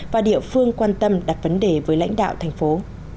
và địa phương quan tâm đặt vấn đề với lãnh đạo thành phố